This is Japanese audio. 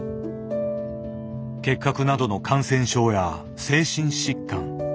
結核などの感染症や精神疾患。